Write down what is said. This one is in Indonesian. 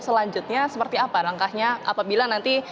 selanjutnya seperti apa langkahnya apabila nanti